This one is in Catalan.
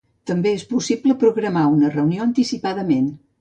També és possible programar una reunió anticipadament.